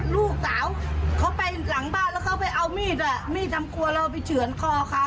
ลูกสาวเขาไปหลังบ้านแล้วเขาไปเอามีดอ่ะมีดมีดทำครัวเราไปเฉือนคอเขา